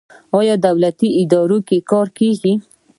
آیا په دولتي ادارو کې کار کیږي؟